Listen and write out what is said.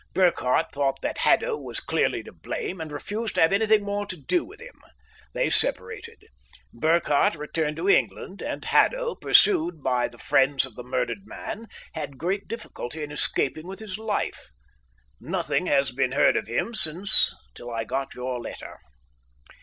Burkhardt thought that Haddo was clearly to blame and refused to have anything more to do with him. They separated. Burkhardt returned to England; and Haddo, pursued by the friends of the murdered man, had great difficulty in escaping with his life. Nothing has been heard of him since till I got your letter.